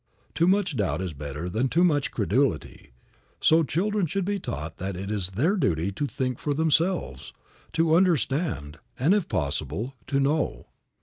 Too much doubt is better than too much credulity. So, children should be taught that it is their duty to think for themselves, to understand, and, if possible, to know.